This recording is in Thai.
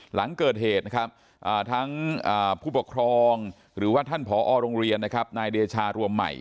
หลังเกิดเหตุนะครับทั้งผู้ปกครองหรือว่าท่านผอโรงเรียนนะครับนายเดชารวมใหม่